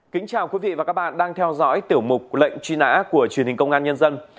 kính chào quý vị và các bạn đang theo dõi tiểu mục lệnh truy nã của truyền hình công an nhân dân